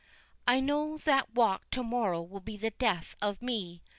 "I know that walk to morrow will be the death of me.